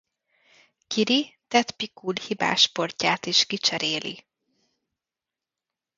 Kiri Ted Pikul hibás portját is kicseréli.